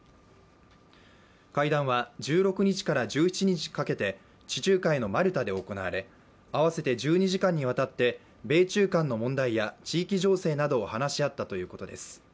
会談は１６日から１７日にかけて、地中海のマルタで行われ、合わせて１２時間にわたって米中間の問題や地域情勢などを話し合ったということです。